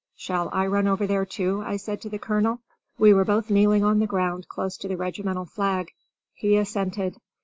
"Shall I run over there too?" I said to the colonel. We were both kneeling on the ground close to the regimental flag. He assented.